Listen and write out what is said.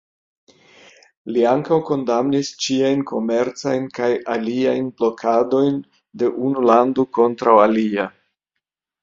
Li ankaŭ kondamnis ĉiajn komercajn kaj aliajn blokadojn de unu lando kontraŭ alia.